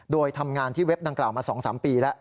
โดยทำงานที่เว็บดังกล่าวมา๒๓ปีแล้ว